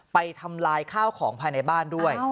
ทำลายข้าวของภายในบ้านด้วย